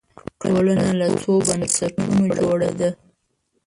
ټولنه له څو بنسټونو جوړه ده